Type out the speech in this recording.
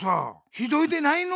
ひどいでないの！